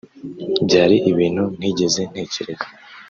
Byari ibintu ntigeze ntekereza